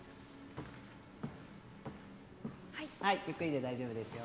ゆっくりで大丈夫ですよ。